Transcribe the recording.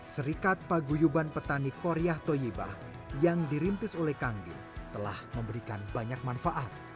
serikat paguyuban petani korea toyibah yang dirintis oleh kang din telah memberikan banyak manfaat